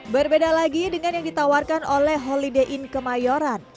berbeda lagi dengan yang ditawarkan oleh holiday in kemayoran